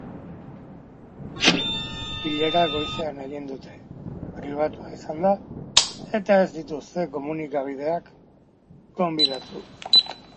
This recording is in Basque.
Bilera goizean egin dute, pribatua izan da eta ez dituzte komunikabideak gonbidatu.